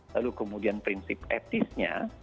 lalu kemudian prinsip etisnya